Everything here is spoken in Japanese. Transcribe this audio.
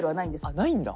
あっないんだ。